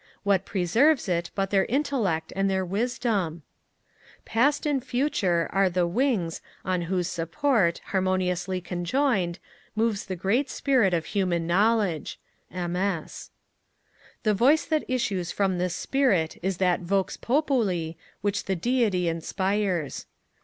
What preserves it but their intellect and their wisdom? Past and future, are the wings On whose support, harmoniously conjoined, Moves the great Spirit of human knowledge MS. The voice that issues from this Spirit is that Vox Populi which the Deity inspires.